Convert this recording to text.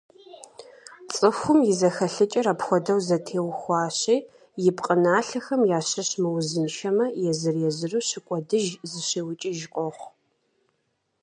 ЦӀыхум и зэхэлъыкӀэр апхуэдэу зэтеухуащи, и пкъыналъэхэм ящыщ мыузыншэмэ, езыр-езыру щыкӀуэдыж, «зыщиукӀыж» къохъу.